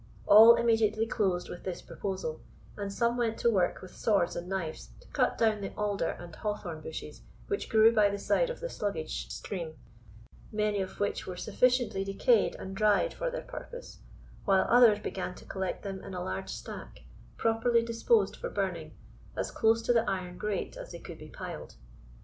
All immediately closed with this proposal, and some went to work with swords and knives to cut down the alder and hawthorn bushes which grew by the side of the sluggish stream, many of which were sufficiently decayed and dried for their purpose, while others began to collect them in a large stack, properly disposed for burning, as close to the iron grate as they could be piled.